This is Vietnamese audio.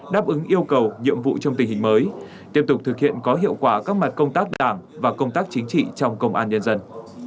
đáp ứng yêu cầu nhiệm vụ trong tình hình mới tiếp tục thực hiện có hiệu quả các mặt công tác đảng và công tác chính trị trong công an nhân dân